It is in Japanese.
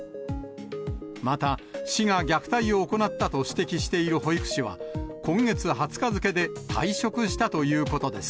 また、市が虐待を行ったと指摘している保育士は、今月２０日付で退職したということです。